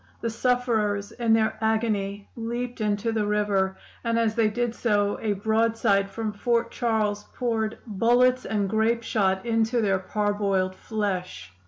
The sufferers, in their agony, leaped into the river, and as they did so a broadside from Fort Charles poured bullets and grapeshot into their parboiled flesh.